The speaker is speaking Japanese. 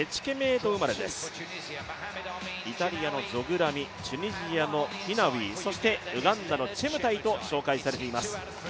イタリアのゾグラミ、チュニジアのヒナウイ、ウガンダのチェムタイと紹介されています。